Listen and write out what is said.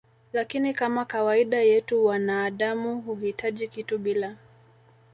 lakini Kama kawaida yetu wanaadamu huhitaji kitu bila